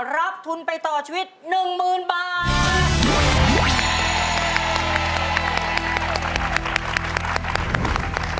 รับทุนไปต่อชีวิต๑๐๐๐บาท